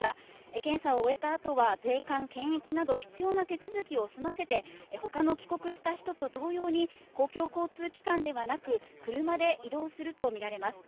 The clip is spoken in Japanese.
検査を終えたあとは、税関・検疫など必要な手続きを済ませて、ほかの帰国した人と同様に、公共交通機関ではなく、車で移動すると見られます。